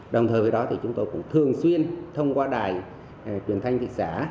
đồng thời với đó thì chúng tôi cũng thường xuyên thông qua đài truyền thanh thị xã